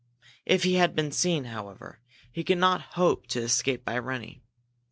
If he had been seen, however, he could not hope to escape by running.